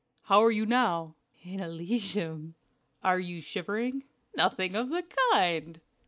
"How are you now?" "In Elysium." "Are you shivering?" "Nothing of the kind."